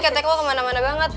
ketek gue kemana mana banget